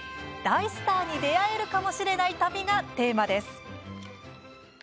大スターに出会えるかもしれない旅がテーマです。